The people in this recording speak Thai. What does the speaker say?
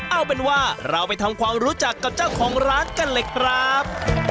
เอาเป็นว่าเราไปทำความรู้จักกับเจ้าของร้านกันเลยครับ